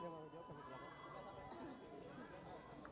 pak ada rencana silat